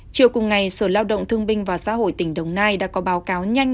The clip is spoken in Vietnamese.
chiều cùng ngày sở lao động thương binh và xã hội tỉnh đồng nai đã có báo cáo nhanh